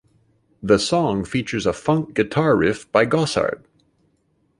The song features a funk guitar riff by Gossard.